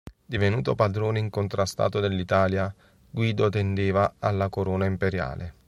Divenuto padrone incontrastato dell'Italia, Guido tendeva alla corona imperiale.